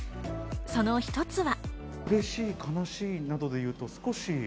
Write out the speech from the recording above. その１つは。